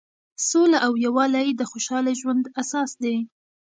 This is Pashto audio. سوله او یووالی د خوشحاله ژوند اساس دی.